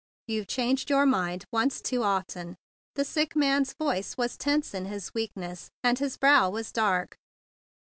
"You've changed your mind once too often!" The sick man's voice was tense in his weakness, and his brow was dark.